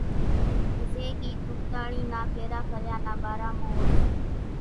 زين ڳيت ھوتاۿڙي نا ڦيرا ڦريان نا ٻارا مان ھوئي سي،